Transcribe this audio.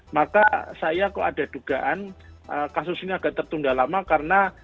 maka saya kok ada dugaan kasus ini agak tertunda lama karena